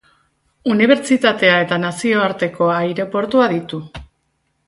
Unibertsitatea eta nazioarteko aireportua ditu.